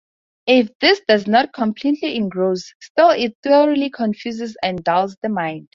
If this does not completely engross, still it thoroughly confuses and dulls the mind.